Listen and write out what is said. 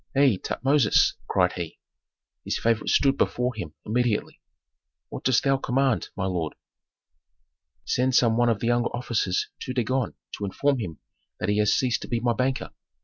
Hei, Tutmosis!" cried he. His favorite stood before him immediately. "What dost thou command, my lord?" "Send some one of the younger officers to Dagon to inform him that he has ceased to be my banker.